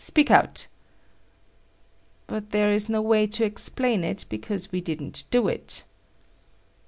Speak out." "But there is no way to explain it because we didn't do it."